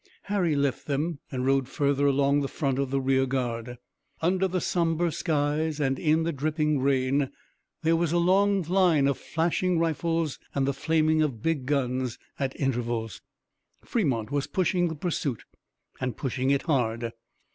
Harry left them and rode further along the front of the rear guard. Under the somber skies and in the dripping rain there was a long line of flashing rifles and the flaming of big guns at intervals. Fremont was pushing the pursuit and pushing it hard.